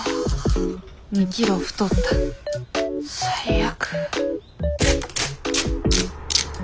２キロ太った最悪。